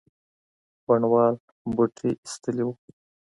بڼوال بوټي ایستلي وو.